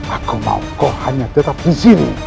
aku mau kok hanya tetap di sini